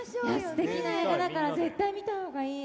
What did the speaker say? すてきな映画だから絶対見た方がいい！